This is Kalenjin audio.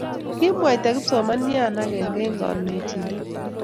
kimwaita kipsomaniat agenge age eng' konetindet